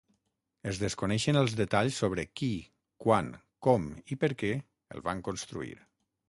Es desconeixen els detalls sobre qui, quan, com i per què el van construir.